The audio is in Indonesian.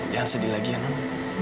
jangan sedih lagi ya non